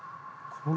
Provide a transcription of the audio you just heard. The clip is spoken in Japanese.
これ。